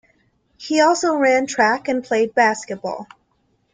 He also ran track and played basketball.